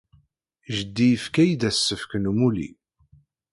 Jeddi yefka-iyi-d asefk n umulli.